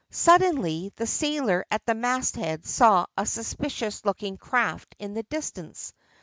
Suddenly the sailor at the masthead saw a suspicious looking craft in the distance.